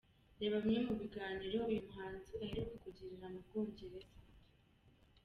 Reba bimwe mu biganiro uyu muhanzi aheruka kugirira mu Bwongereza: .